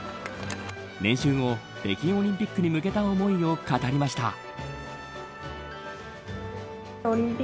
練習後、北京オリンピックに向けた思いを語りました。